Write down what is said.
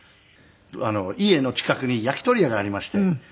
家の近くに焼き鳥屋がありまして。